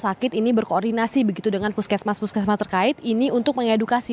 sakit ini berkoordinasi begitu dengan puskesmas puskesmas terkait ini untuk mengedukasi